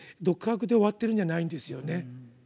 独白で終わってるんじゃないんですよね。